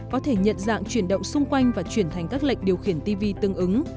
có thể nhận dạng chuyển động xung quanh và chuyển thành các lệnh điều khiển tv tương ứng